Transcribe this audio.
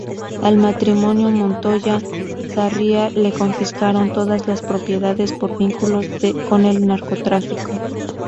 Al matrimonio Montoya-Sarria le confiscaron todas las propiedades por vínculos con el narcotráfico.